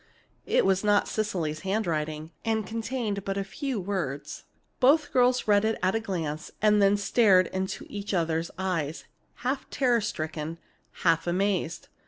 It was not in Cecily's handwriting, and contained but a few words. Both girls read it at a glance, and then stared into each other's eyes, half terror stricken, half amazed.